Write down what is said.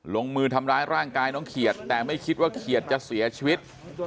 ลงมือทำร้ายร่างกายน้องเขียดแต่ไม่คิดว่าเขียดจะเสียชีวิต